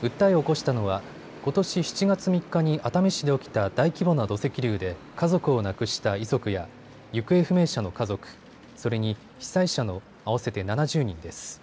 訴えを起こしたのはことし７月３日に熱海市で起きた大規模な土石流で家族を亡くした遺族や行方不明者の家族、それに被災者の合わせて７０人です。